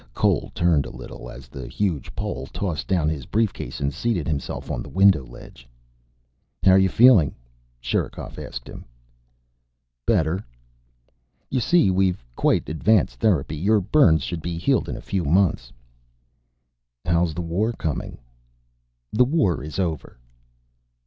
Cole turned a little as the huge Pole tossed down his briefcase and seated himself on the window ledge. "How are you feeling?" Sherikov asked him. "Better." "You see we've quite advanced therapy. Your burns should be healed in a few months." "How is the war coming?" "The war is over."